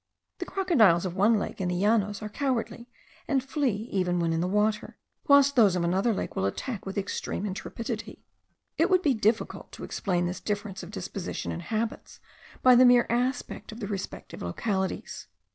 The crocodiles of one lake in the llanos are cowardly, and flee even when in the water; whilst those of another lake will attack with extreme intrepidity. It would be difficult to explain this difference of disposition and habits, by the mere aspect of the respective localities.